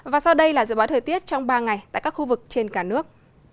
và sau đây là dự báo thời tiết trong ba ngày tại các khu vực trên cả nước